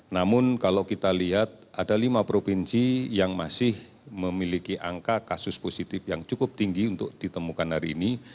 namun kalau kita lihat ada lima provinsi yang masih memiliki angka kasus positif yang cukup tinggi untuk ditemukan hari ini